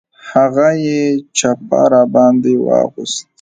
هغه یې چپه را باندې واغوست.